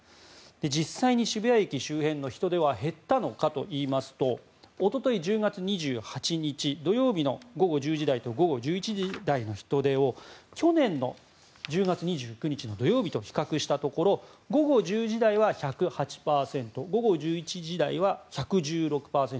実際に渋谷駅周辺の人出は減ったのかといいますとおととい１０月２８日、土曜日の午後１０時台と午後１１時台の人出を去年の１０月２９日の土曜日と比較したところ午後１０時台は１０８％午後１１時台は１１６％。